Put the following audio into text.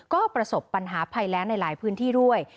ก็ประสบปัญหาภัยแรงในหลายพื้นที่ด้วย